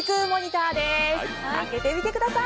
開けてみてください！